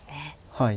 はい。